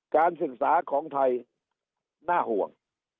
การศึกษาของไทยน่าห่วง